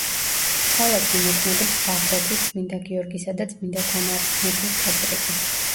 ქალაქში მოქმედებს ბაღდათის წმინდა გიორგისა და წმინდა თამარ მეფის ტაძრები.